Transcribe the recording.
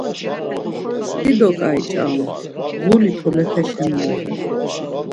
Dido ǩai ç̌arumt, ğuli tolepeşen mendra!